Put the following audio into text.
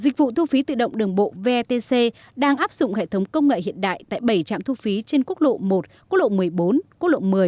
dịch vụ thu phí tự động đường bộ vetc đang áp dụng hệ thống công nghệ hiện đại tại bảy trạm thu phí trên quốc lộ một quốc lộ một mươi bốn quốc lộ một mươi